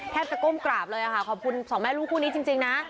แทบจะก้มกราบเลยค่ะขอบคุณสองแม่ลูกคู่นี้จริงนะ